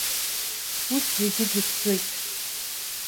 Ус зегьы дрыхьӡоит.